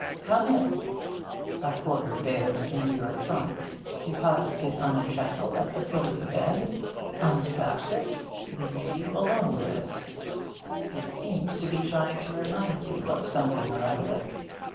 'Come in!' A porter bears in your trunk, deposits it on a trestle at the foot of the bed, unstraps it, leaves you alone with it. It seems to be trying to remind you of something or other.